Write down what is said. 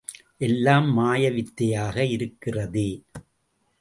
எல்லாம் மாய வித்தையாக இருக்கிறதே!